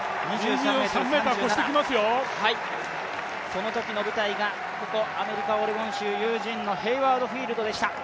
そのときの舞台がこのアメリカ・オレゴン州ヘイワード・フィールドでした。